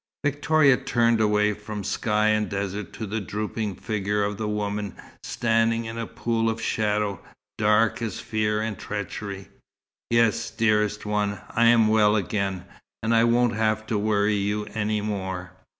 Victoria turned away from sky and desert to the drooping figure of the woman, standing in a pool of shadow, dark as fear and treachery. "Yes, dearest one, I am well again, and I won't have to worry you any more."